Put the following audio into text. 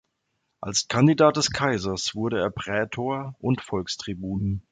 Als Kandidat des Kaisers wurde er Prätor und Volkstribun.